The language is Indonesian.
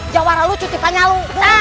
jawara lucu tipanya lu